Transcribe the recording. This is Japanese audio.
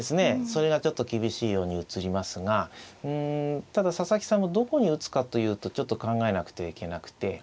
それがちょっと厳しいように映りますがうんただ佐々木さんもどこに打つかというとちょっと考えなくてはいけなくて。